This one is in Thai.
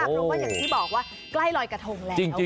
เพราะว่าอย่างที่บอกว่าใกล้ลอยกระทงแล้ว